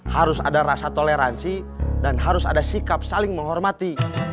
harus ada rasa toleransi dan harus ada sikap saling menghormati